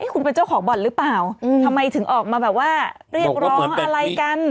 คุณเป็นเจ้าของบอร์ดรึเปล่าทำไมถึงออกมาเรียกร้องอะไรกัน